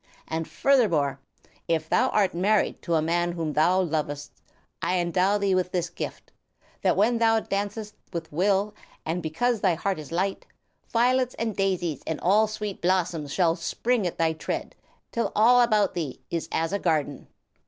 And, furthermore, if ever thou art married to a man whom thou lovest, I endow thee with this gift, that when thou dancest with will and because thy heart is light, violets and daisies and all sweet blossoms shall spring at thy tread, till all about thee is as a garden."